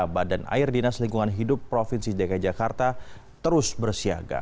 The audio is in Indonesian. badan air dinas lingkungan hidup provinsi dki jakarta terus bersiaga